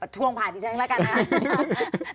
ท่วงผ่านดิฉันแล้วกันนะครับ